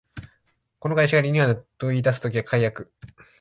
この会社がリニューアルと言いだす時は改悪